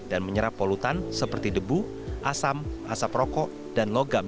dan menyerap polutan seperti debu asam asap rokok dan logam